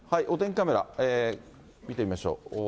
お天気カメラ見てみましょう。